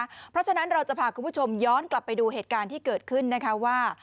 เพราะฉะนั้นเราจะพาคุณผู้ชมย้อนกลับไปดูเหตุการณ์ที่เกิดขึ้นนะคะว่า